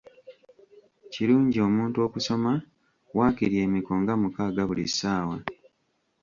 Kirungi omuntu okusoma waakiri emiko nga mukaaga buli ssaawa.